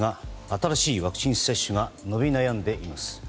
新しいワクチン接種が伸び悩んでいます。